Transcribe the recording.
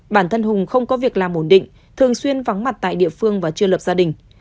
bản thân hùng không có việc làm ổn định thường xuyên vắng mặt tại địa phương và chưa lập gia đình